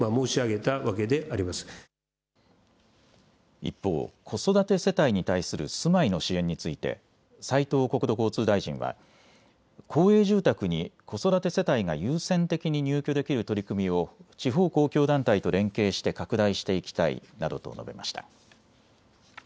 一方、子育て世帯に対する住まいの支援について斉藤国土交通大臣は公営住宅に子育て世帯が優先的に入居できる取り組みを地方公共団体と連携して拡大していきたいなどと述べました。